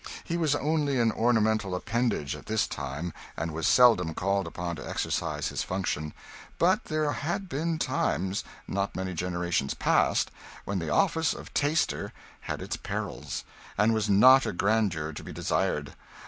He was only an ornamental appendage at this time, and was seldom called upon to exercise his function; but there had been times, not many generations past, when the office of taster had its perils, and was not a grandeur to be desired.